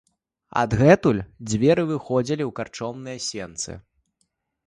Адгэтуль дзверы выходзілі ў карчомныя сенцы.